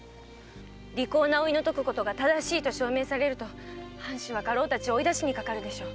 利口な甥の説くことが正しいと証明されると藩主は家老を追い出しにかかるでしょう。